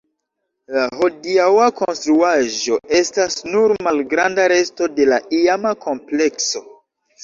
La hodiaŭa konstruaĵo estas nur malgranda resto la iama komplekso.